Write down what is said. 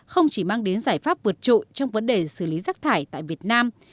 không chỉ mang đến giải pháp vượt trội trong vấn đề xử lý rác thải tại việt nam